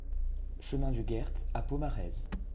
Chemin du Gert à Pomarez